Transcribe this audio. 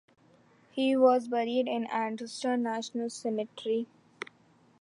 He was buried in Andersonville National Cemetery.